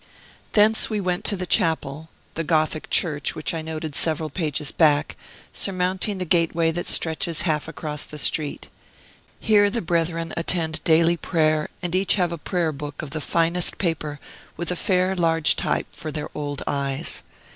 Thence we went to the chapel the Gothic church which I noted several pages back surmounting the gateway that stretches half across the street. Here the brethren attend daily prayer, and have each a prayer book of the finest paper, with a fair, large type for their old eyes.